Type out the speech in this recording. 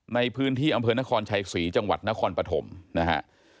ในพื้นที่อำเภอนครชัยศรีจังหวัดนครปฐมนะฮะ